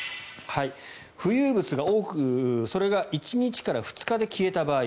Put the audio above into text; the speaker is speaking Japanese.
浮遊物が多く、それが１日から２日で消えた場合。